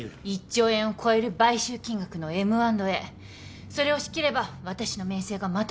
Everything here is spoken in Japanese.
１兆円を超える買収金額のＭ＆Ａそれを仕切れば私の名声がまた業界中に。